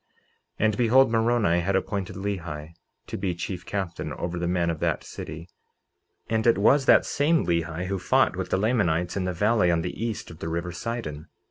49:16 And behold, Moroni had appointed Lehi to be chief captain over the men of that city; and it was that same Lehi who fought with the Lamanites in the valley on the east of the river Sidon.